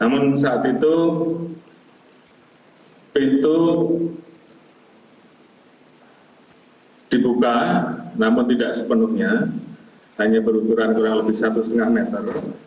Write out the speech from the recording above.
namun saat itu pintu dibuka namun tidak sepenuhnya hanya berukuran kurang lebih satu lima meter